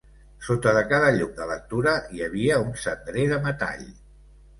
Sota de cada llum de lectura hi havia un cendrer de metall.